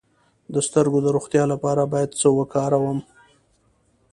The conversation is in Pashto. د سترګو د روغتیا لپاره باید څه وکاروم؟